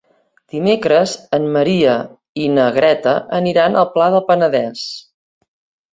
Dimecres en Maria i na Greta aniran al Pla del Penedès.